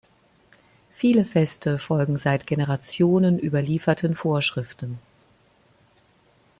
Viele Feste folgen seit Generationen überlieferten Vorschriften.